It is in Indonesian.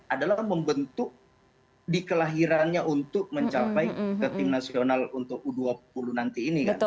adalah membentuk di kelahirannya untuk mencapai ke tim nasional untuk u dua puluh nanti ini kan